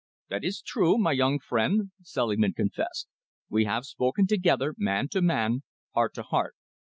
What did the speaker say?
"That is true, my young friend," Selingman confessed. "We have spoken together, man to man, heart to heart.